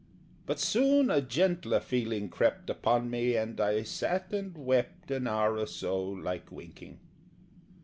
But soon a gentler feeling crept Upon me, and I sat and wept An hour or so, like winking.